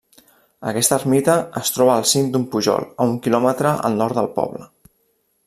Aquesta ermita es troba al cim d'un pujol a un quilòmetre al nord del poble.